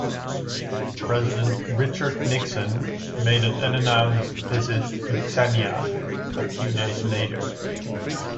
President Richard Nixon made an unannounced visit to Xenia a few days later.